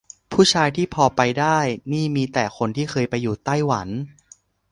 ผู้ชายที่พอไปได้นี่มีแต่คนที่เคยไปอยู่ไต้หวัน